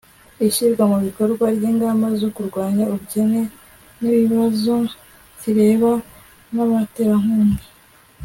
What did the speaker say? ishyirwa mu bikorwa ry'lngamba zo kurwanya ubukene ni ikibazo kireba n'abaterankunga